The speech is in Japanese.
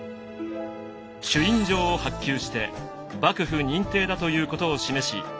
朱印状を発給して幕府認定だということを示し